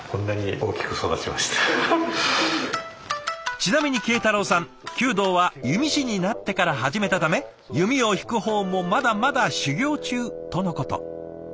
ちなみに慶太郎さん弓道は弓師になってから始めたため弓を引く方もまだまだ修行中とのこと。